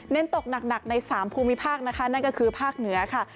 เน้นตกหนักในสามภูมิภาคนั่นก็คือภาคเหนือค่ะ